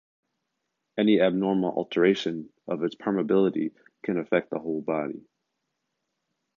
Any abnormal alteration of its permeability can affect the whole body.